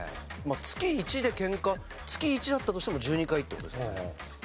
月１でケンカ月１だったとしても１２回って事ですよね。